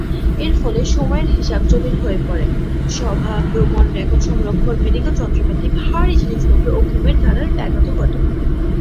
এর ফলে সময়ের হিসাব জটিল হয়ে পড়ে, সভা, ভ্রমণ, রেকর্ড সংরক্ষণ, মেডিকেল যন্ত্রপাতি, ভারি জিনিসপত্র ও ঘুমের ধারার ব্যাঘাত ঘটে।